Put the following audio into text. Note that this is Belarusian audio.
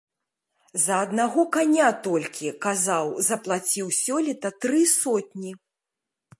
За аднаго каня толькі, казаў, заплаціў сёлета тры сотні.